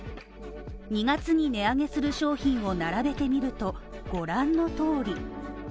２月に値上げする商品を並べてみると、ご覧の通り。